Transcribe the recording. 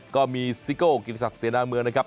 ก็มีซิโก่กินิสักเสียหน้าเมืองนะครับ